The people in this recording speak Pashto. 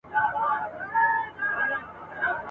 د زندان به مي نن شل کاله پوره وای ..